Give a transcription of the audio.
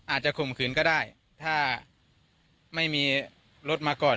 ข่มขืนก็ได้ถ้าไม่มีรถมาก่อน